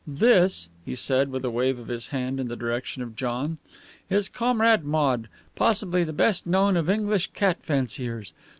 This," he said, with a wave of his hand in the direction of John, "is Comrade Maude, possibly the best known of English cat fanciers.